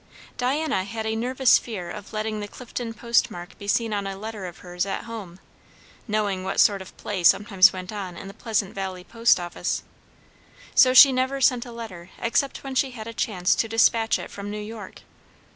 Diana had a nervous fear of letting the Clifton postmark be seen on a letter of hers at home, knowing what sort of play sometimes went on in the Pleasant Valley post office; so she never sent a letter except when she had a chance to despatch it from New York.